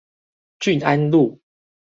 郡安路